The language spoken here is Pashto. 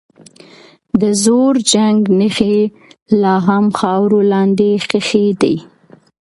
د زوړ جنګ نښې لا هم خاورو لاندې ښخي دي.